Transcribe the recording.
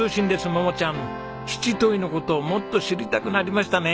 桃ちゃん七島藺の事をもっと知りたくなりましたね。